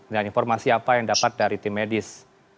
dan informasi apa yang dapat dari tim medis